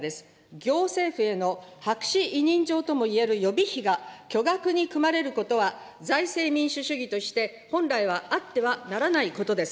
行政府への白紙委任状ともいえる予備費が、巨額に組まれることは、財政民主主義として本来はあってはならないことです。